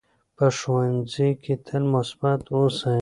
په ښوونځي کې تل مثبت اوسئ.